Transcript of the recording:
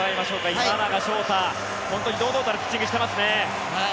今永昇太、本当に堂々たるピッチングをしていますね。